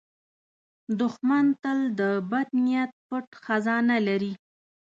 دښمن تل د بد نیت پټ خزانه لري